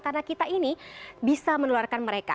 karena kita ini bisa meneluarkan mereka